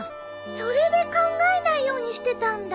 それで考えないようにしてたんだ。